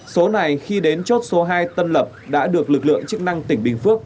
số này khi đến chốt số hai tân lập đã được lực lượng chức năng tỉnh bình phước